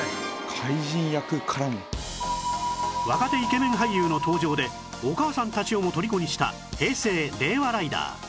若手イケメン俳優の登場でお母さんたちをも虜にした平成・令和ライダー